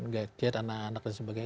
gadget anak anak dan sebagainya